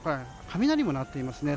雷も鳴っていますね。